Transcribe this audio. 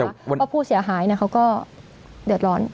แต่วันว่าผู้เสียหายนะเขาก็เดือดร้อน